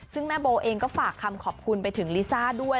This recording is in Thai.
ซึ่งแม่โบเองก็ฝากคำขอบคุณไปถึงลิซ่าด้วย